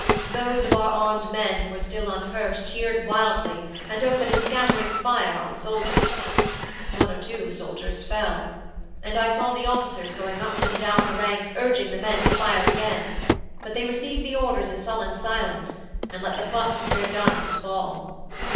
Those of our armed men who were still unhurt cheered wildly and opened a scattering fire on the soldiers. One or two soldiers fell; and I saw the officers going up and down the ranks urging the men to fire again; but they received the orders in sullen silence, and let the butts of their guns fall.